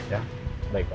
ya baik pak